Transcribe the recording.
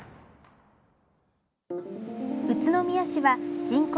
宇都宮市は人口